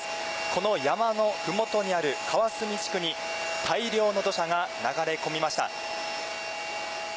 この山の麓にある川角地区に大量の土砂が流れ込みました。